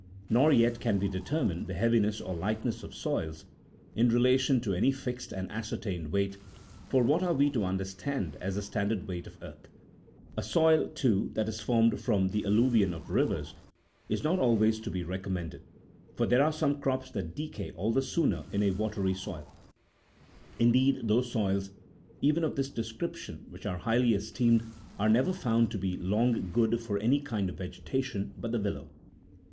Nor yet can we determine 36 the heaviness or lightness of soils in relation to any fixed and as certained weight: for what are we to understand as the standard weight of earth ? A soil, too, that is formed from the alluvion 37 of rivers is not always to be recommended, for there are some crops that decay all the sooner in a watery soil ; indeed, those soils even of this description which are highly esteemed, are never found to be long good for any kind of vegetation but the willow.